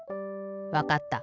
わかった。